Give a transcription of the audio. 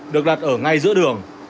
được đặt ở ngay giữa đường